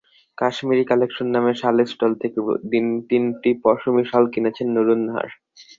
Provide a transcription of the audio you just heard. Kashmiri collection নামের শালের stall থেকে তিনটি পশমি শাল কিনেছেন নুরুন নাহার।